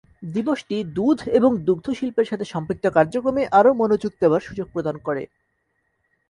দিবসটি দুধ এবং দুগ্ধ শিল্পের সাথে সম্পৃক্ত কার্যক্রমে আরো মনোযোগ দেওয়ার সুযোগ প্রদান করে।